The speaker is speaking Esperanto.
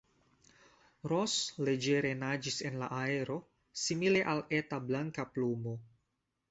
Ros leĝere naĝis en la aero, simile al eta blanka plumo.